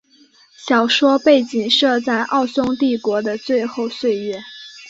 小说背景设在奥匈帝国的最后岁月。